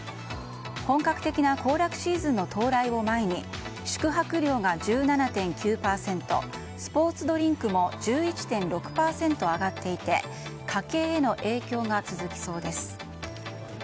本格的な行楽シーズンの到来を前に宿泊料が１７．９％スポーツドリンクも１１．６％上がっていて家計への影響が続きそうです。